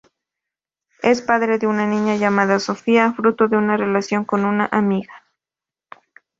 Es padre de una niña llamada Sofia, fruto de una relación con una amiga.